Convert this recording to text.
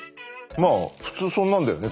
まあ普通そんなんだよね。